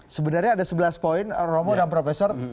sebenarnya ada sebelas poin romo dan profesor